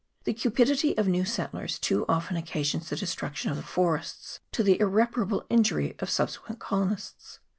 The cupidity of new settlers too often occasions the destruction of the forests, to the irre parable injury of subsequent colonists.